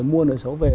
mua nợ xấu về